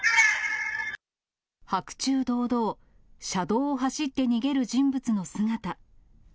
白昼堂々、車道を走って逃げる人物の姿。